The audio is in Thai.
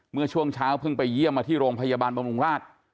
เมื่อช่วงเช้าเพิ่งไปเยี่ยมมาที่โรงพยาบาลบำรุงราช